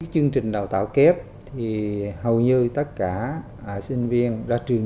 chương trình đào tạo kép thì hầu như tất cả sinh viên ra trường